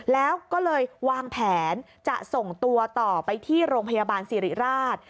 แล้วก็เลยวางแผนจะส่งตัวต่อไปที่โรงพยาบาลสิริราช